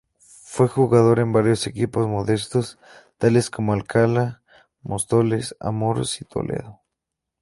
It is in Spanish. Fue jugador en varios equipos modestos, tales como Alcalá, Móstoles, Amorós y Toledo.